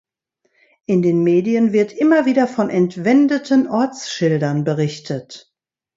In den Medien wird immer wieder von entwendeten Ortsschildern berichtet.